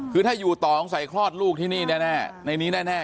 คือถ้าอยู่ต่อของสายคลอดลูกที่นี่แน่แน่ในนี้แน่แน่